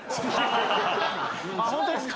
ホントですか。